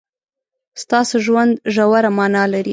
ستاسو ژوند ژوره مانا لري.